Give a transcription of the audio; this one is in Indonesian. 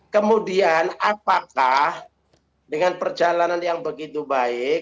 kemudian apakah dengan perjalanan yang begitu baik